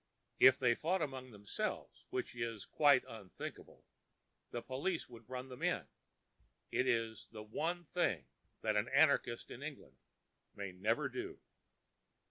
If they fought among themselves, which is quite unthinkable, the police would run them in; it is the one thing that an anarchist in England may never do.